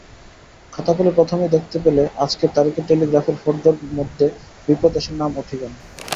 খাতা খুলে প্রথমেই দেখতে পেলে আজকের তারিখের টেলিগ্রামের ফর্দর মধ্যে বিপ্রদাসের নাম ও ঠিকানা।